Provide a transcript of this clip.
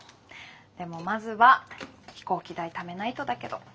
でもまずは飛行機代ためないとだけど。